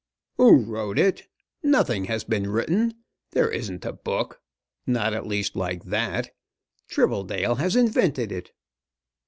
"Who wrote it? Nothing has been written. There isn't a book; not at least like that. Tribbledale has invented it."